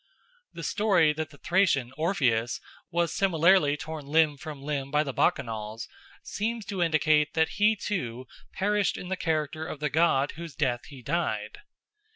The story that the Thracian Orpheus was similarly torn limb from limb by the Bacchanals seems to indicate that he too perished in the character of the god whose death he died.